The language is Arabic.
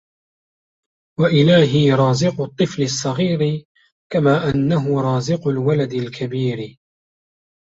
وَإِلَهِي رَازِقُ الطِّفْلِ الصَّغِيرِ كَمَا أَنَّهُ رَازِقُ الْوَلَدِ الْكَبِيرِ